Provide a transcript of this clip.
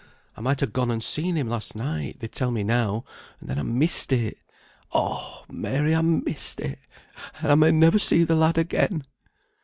I might ha' gone and seen him last night, they tell me now, and then I missed it. Oh! Mary, I missed it; and I may never see the lad again."